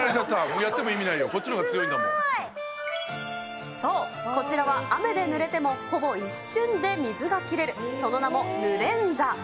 やっても意味ないよ、そう、こちらは雨でぬれてもほぼ一瞬で水が切れる、その名もヌレンザ。